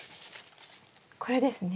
これですね？